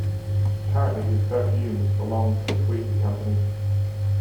Currently his perfumes belongs to Puig company.